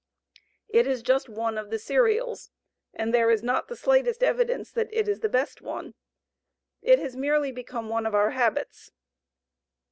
It is just one of the cereals, and there is not the slightest evidence that it is the best one. It has merely become one of our habits.